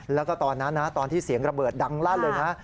และตอนนั้นเมื่อเสียงระเบิดดังล่ะ